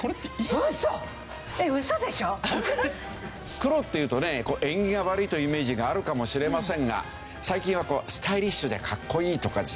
黒っていうとね縁起が悪いというイメージがあるかもしれませんが最近はスタイリッシュで格好いいとかですね